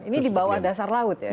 ini di bawah dasar laut ya